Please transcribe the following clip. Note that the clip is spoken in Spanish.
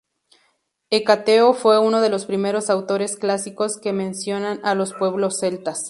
Hecateo fue uno de los primeros autores clásicos que mencionan a los pueblos celtas.